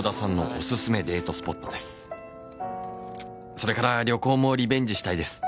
「それから旅行もリベンジしたいです」